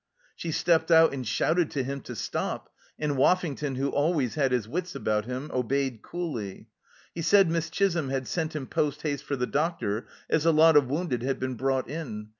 She stepped out and shouted to him to stop, and Woffington, who always had his wits about him, obeyed coolly. He said Miss Chisholm had sent him post haste for the doctor, as a lot of wounded had been brought in.